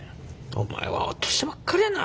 「お前は落としてばっかりやな」